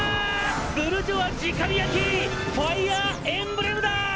“ブルジョワ直火焼き”ファイヤーエンブレムだぁ！」